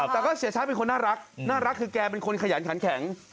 แต่ก็เสียชัดเป็นคนน่ารักน่ารักคือแกเป็นคนขยันขันแข็ง